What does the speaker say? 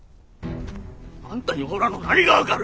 あんたにおらの何が分かる！